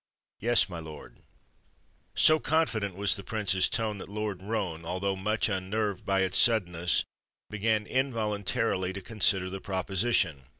"Yes, my lord." So confident was the prince's tone that Lord Roane, although much unnerved by its suddenness, began involuntarily to consider the proposition.